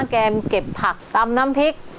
แกเก็บผักตำน้ำพริก